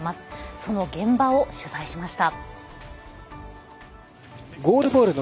その現場を取材しました。